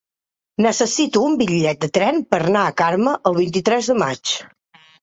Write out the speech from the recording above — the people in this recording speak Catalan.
Necessito un bitllet de tren per anar a Carme el vint-i-tres de maig.